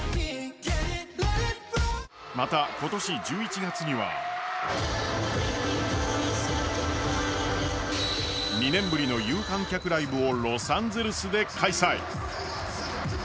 また今年１１月には２年ぶりの有観客ライブをロサンゼルスで開催。